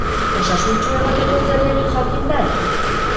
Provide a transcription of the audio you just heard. Osasuntsu egoteko zer egin jakin nahi?